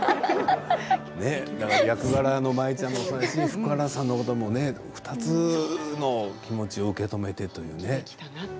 役柄の舞ちゃんもそうだし福原さんのこともね２つの気持ちを受け止めてね。